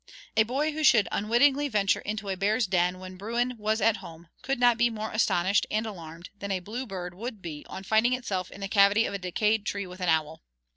A boy who should unwittingly venture into a bear's den when Bruin was at home could not be more astonished and alarmed than a bluebird would be on finding itself in the cavity of a decayed tree with an owl.